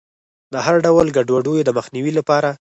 د هر ډول ګډوډیو د مخنیوي لپاره.